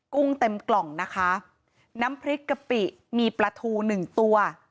กุ้งเต็มกล่องน้ำพริกกะปิมีปลาทู๑ตัว